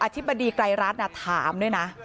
ธิบดีไกรรัฐถามด้วยนะ